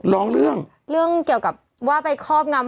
แล้วว่าไปคอบงำ